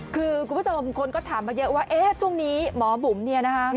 คือคุณผู้ชมคนก็ถามมาเยอะว่าเอ๊ะช่วงนี้หมอบุ๋มเนี่ยนะคะ